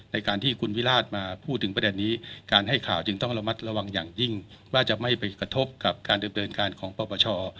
ในการที่คุณวิราชมาพูดถึงประเด็นนี้การให้ข่าวจึงต้องระมัดระวังอย่างยิ่งว่าจะไม่ไปกระทบกับการดำเนินการของปปช